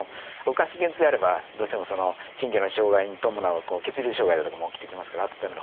肋間神経痛であればどうしても神経の障害に伴う血流障害だとかも起きてきますから温めるほうがいいと。